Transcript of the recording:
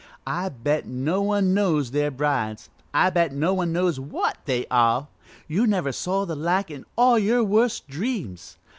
I bet no one knows they're brides I bet no one knows what they are, you never saw the like in all your worst dreams.